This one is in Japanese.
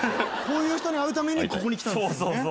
こういう人に会うためにここに来たんですもんね。